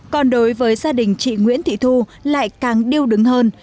còn đối với gia đình chị nguyễn thị thu lại càng điêu đứng hơn